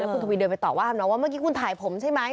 คุณทวีเดินไปต่อว่าทำน้องว่าเมื่อกี้คุณถ่ายผมใช่ไหม